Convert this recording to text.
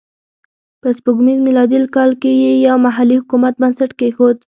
په سپوږمیز میلادي کال کې یې یو محلي حکومت بنسټ کېښود.